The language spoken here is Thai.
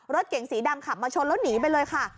รถเก๋งสีดำขับมาชนแล้วหนีไปเลยค่ะ